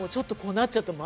なっちゃった。